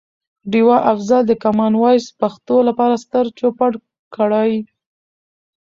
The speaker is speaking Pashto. ډیوه افضل د کمان وایس پښتو لپاره ستر چوپړ کړي.